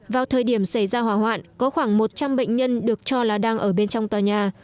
vào thời điểm xảy ra hỏa hoạn có khoảng một trăm linh bệnh nhân được cho là đang ở bên trong tòa nhà